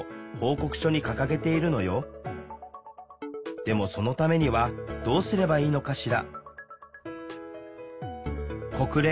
でもそのためにはどうすればいいのかしら？